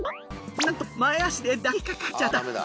なんと前足で抱きかかえちゃった。